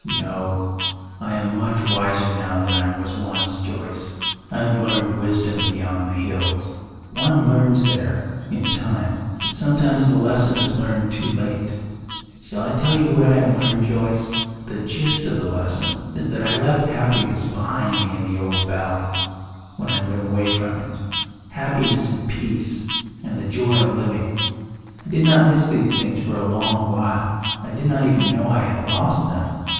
"No. I am much wiser now than I was once, Joyce. I have learned wisdom beyond the hills. One learns there in time but sometimes the lesson is learned too late. Shall I tell you what I have learned, Joyce? The gist of the lesson is that I left happiness behind me in the old valley, when I went away from it, happiness and peace and the joy of living. I did not miss these things for a long while; I did not even know I had lost them.